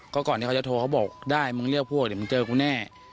ก็ก่อนที่เขาจะโทรเขาบอกได้มึงเรียกพวกเดี๋ยวมึงเจอกูแน่